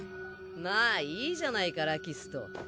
まあいいじゃないかラキスト。